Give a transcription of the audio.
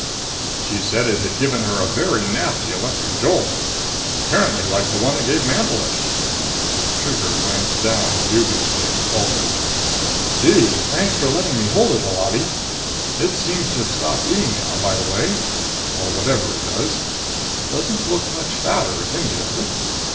"She said it had given her a very nasty electric jolt. Apparently like the one it gave Mantelish." Trigger glanced down dubiously at Repulsive. "Gee, thanks for letting me hold it, Holati! It seems to have stopped eating now, by the way. Or whatever it does. Doesn't look much fatter if any, does it?"